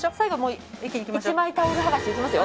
１枚タオル剥がしいきますよ。